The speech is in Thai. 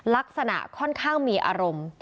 ลักษณะค่อนข้างมีอารมณ์